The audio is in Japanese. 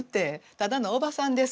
ただのおばさんです。